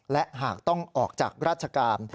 และหากต้องออกจากราชการ